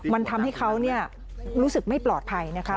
มันทำให้เขารู้สึกไม่ปลอดภัยนะคะ